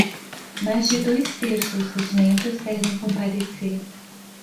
Mais de dois terços dos membros devem comparecer